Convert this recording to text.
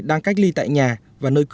đang cách ly tại nhà và nơi cư trú